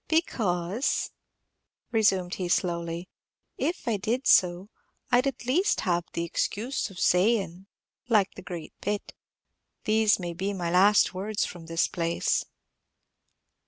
"Because," resumed he, slowly, "if I did so, I 'd have at least the excuse of say in', like the great Pitt, 'These may be my last words from this place.'"